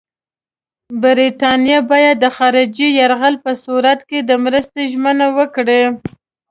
برټانیه باید د خارجي یرغل په صورت کې د مرستې ژمنه وکړي.